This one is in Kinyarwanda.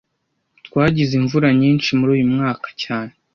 Twagize imvura nyinshi muri uyu mwaka cyane